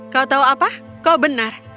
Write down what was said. kau tahu apa kau benar